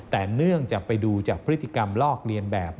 แต่เนื่องจากไปดูจากพฤติกรรมลอกเลียนแบบ